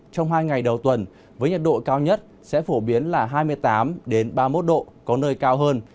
trong hai ngày đầu tuần với nhiệt độ cao nhất sẽ phổ biến là hai mươi tám ba mươi một độ có nơi cao hơn